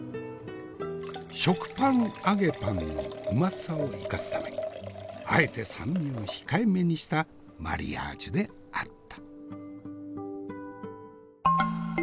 食パン揚げパンのうまさを生かすためにあえて酸味を控えめにしたマリアージュであった。